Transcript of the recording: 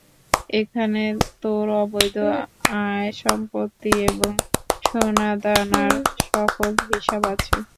এখানে তোর অবৈধ আয়, সম্পত্তি আর সোনাদানার সকল হিসাব আছে।